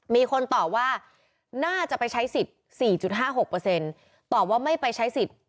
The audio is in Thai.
มีคนตอบว่าน่าจะไปใช้สิทธิ์๔๕๖ตอบว่าไม่ไปใช้สิทธิ์